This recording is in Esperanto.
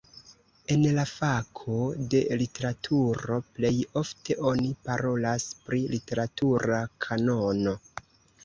En la fako de literaturo plej ofte oni parolas pri literatura kanono.